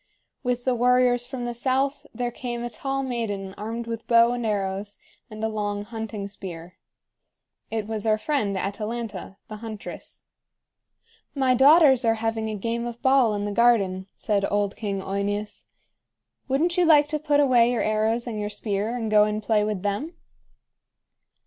With the warriors from the south there came a tall maiden armed with bow and arrows and a long hunting spear. It was our friend Atalanta, the huntress. "My daughters are having a game of ball in the garden," said old King OEneus. "Wouldn't you like to put away your arrows and your spear, and go and play with them?"